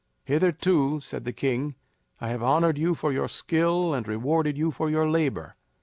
"Hitherto," said the king, "I have honored you for your skill and rewarded you for your labor.